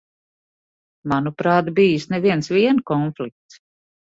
Manuprāt, bijis ne viens vien konflikts.